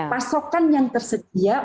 pasokan yang tersedia